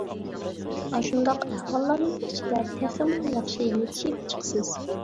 سىز ئاشۇنداق ئەھۋاللارنىڭ ئىچىدە تېخىمۇ ياخشى يېتىشىپ چىقىسىز.